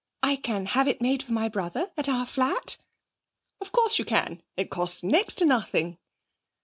I can have it made for my brother at our flat?' 'Of course you can! It costs next to nothing.'